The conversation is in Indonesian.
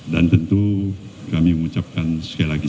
dan tentu kami mengucapkan sekali lagi